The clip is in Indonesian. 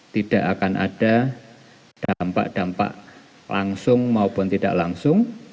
tidak akan ada dampak dampak langsung maupun tidak langsung